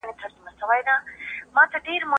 هغوی باید د خپلو خوراکونو شکر ادا کړي.